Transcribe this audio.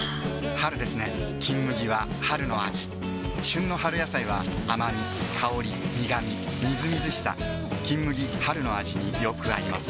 春ですね「金麦」は春の味旬の春野菜は甘み香り苦みみずみずしさ「金麦」春の味によく合います